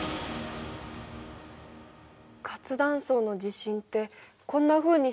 活断層の地震ってこんなふうにして繰り返すんだね。